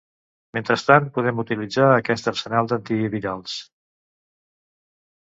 Mentrestant, podem utilitzar aquest arsenal d’antivirals.